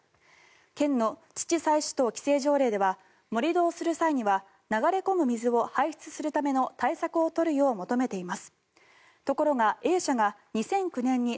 県の土採取等規制条例では盛り土をする際には流れ込む水を排出するための対策を取るよう求めています。